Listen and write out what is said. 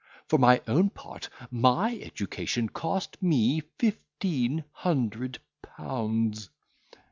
For my own part, my education cost me fifteen hundred pounds."